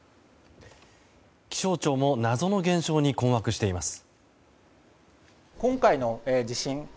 気象庁も謎の現象に困惑しています。